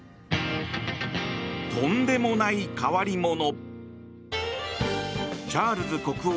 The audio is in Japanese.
とんでもない変わり者。